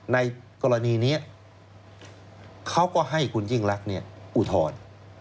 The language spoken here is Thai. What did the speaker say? ในกรณีนี้เขาก็ให้คุณยิ่งรักอุทธรณ์